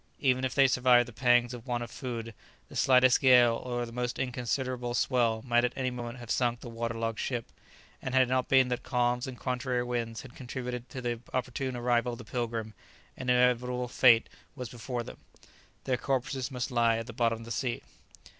Even if they survived the pangs of want of food, the slightest gale or the most inconsiderable swell might at any moment have sunk the water logged ship, and had it not been that calms and contrary winds had contributed to the opportune arrival of the "Pilgrim," an inevitable fate was before them; their corpses must lie at the bottom of the sea.